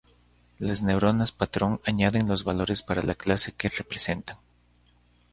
Las neuronas patrón añaden los valores para la clase que representan.